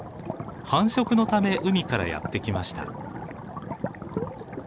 繁殖のため海からやって来ました。